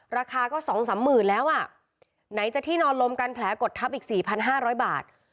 ราคาก็สองสามหมื่นแล้วอ่ะไหนจะที่นอนลมกันแผลกดทับอีกสี่พันห้าร้อยบาท